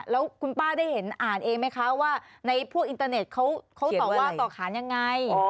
แล้วคุณป้าได้เห็นอ่านเองไหมคะว่าในพวกอินเตอร์เน็ตเขาต่อว่าต่อขานยังไง